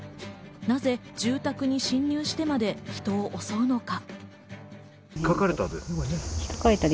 なぜ住宅に侵入してまで人を襲うのか？